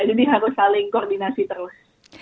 jadi harus saling koordinasi terus